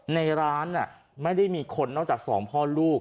ในร้านไม่ได้มีคนนอกจากสองพ่อลูก